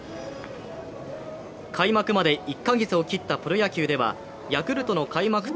開幕まで１カ月を切ったプロ野球ではヤクルトの開幕